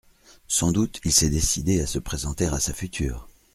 Sans doute il s’est décidé à se présenter à sa future.